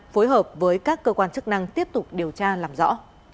phối hợp với các cơ quan chức năng tiếp tục điều tra làm rõ